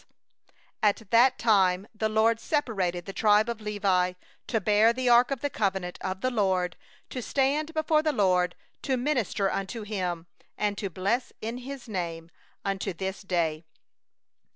— 8At that time the LORD separated the tribe of Levi, to bear the ark of the covenant of the LORD, to stand before the LORD to minister unto Him, and to bless in His name, unto this day.